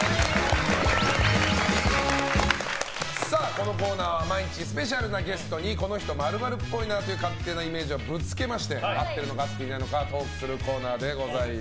このコーナーは毎日スペシャルなゲストにこの人○○っぽいなという勝手なイメージをぶつけまして合ってるのか、合っていないのかトークするコーナーです。